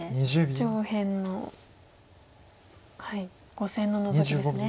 上辺の５線のノゾキですね。